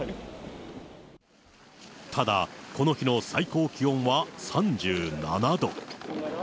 ただ、この日の最高気温は３７度。